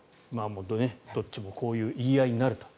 どっちもこういう言い合いになると。